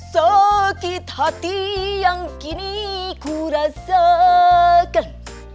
sakit hati yang kini ku rasakan